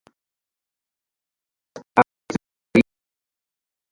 Al finalizar su experiencia en el equipo murciano, regresa a Villarreal.